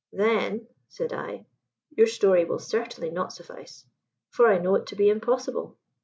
"Then," said I, "your story will certainly not suffice; for I know it to be impossible.